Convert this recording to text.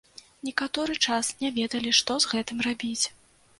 Некаторы час не ведалі, што з гэтым рабіць.